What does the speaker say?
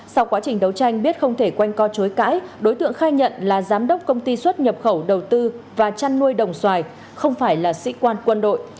sau quá trình đấu tranh biết không thể quanh co chối cãi đối tượng khai nhận là giám đốc công ty xuất nhập khẩu đầu tư và chăn nuôi đồng xoài không phải là sĩ quan quân đội